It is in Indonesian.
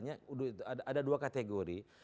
pengajar ut itu sebenarnya ada dua kategori